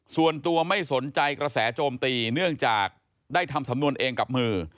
ส่วนตัวไม่สนใจกระแสโจมตีเนื่องจากได้ทำสำนวนเองกับมือ